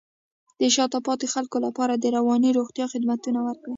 د شاته پاتې خلکو لپاره د رواني روغتیا خدمتونه ورکړئ.